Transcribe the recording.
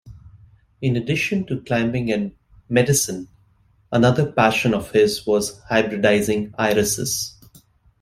In addition to climbing and medicine another passion of his was hybridizing irises.